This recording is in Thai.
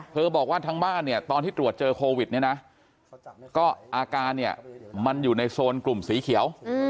เพิ่มบอกว่าทางบ้านตอนที่ตรวจเจอโควิดนี่นะก็อาการมันอยู่ในโซนกลุ่มสีเขียว